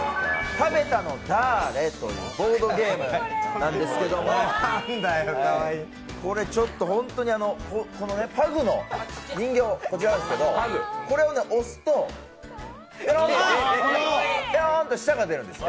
「たべたのだぁれ？」というボードゲームなんですけどこれ、本当にパグの人形、こちらなんですけど、これを押すと、ペロンと舌が出るんです。